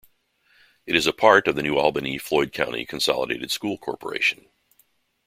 It is a part of the New Albany-Floyd County Consolidated School Corporation.